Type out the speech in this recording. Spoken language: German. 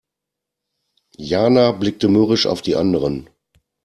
Jana blickte mürrisch auf die anderen.